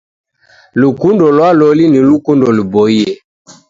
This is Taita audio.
Lukundo lwa loli ni lukundo luboie.